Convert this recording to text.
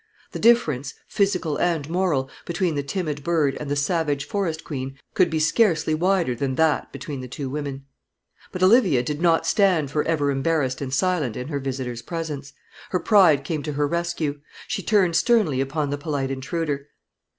The difference, physical and moral, between the timid bird and the savage forest queen could be scarcely wider than that between the two women. But Olivia did not stand for ever embarrassed and silent in her visitor's presence. Her pride came to her rescue. She turned sternly upon the polite intruder.